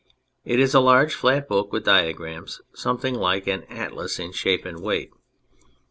It is a large flat book with diagrams, something like an atlas in shape and weight.